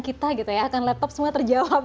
kita gitu ya akan laptop semua terjawab